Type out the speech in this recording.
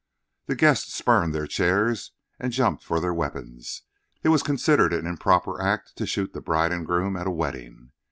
The guests spurned their chairs and jumped for their weapons. It was considered an improper act to shoot the bride and groom at a wedding.